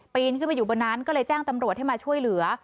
นขึ้นไปอยู่บนนั้นก็เลยแจ้งตำรวจให้มาช่วยเหลือ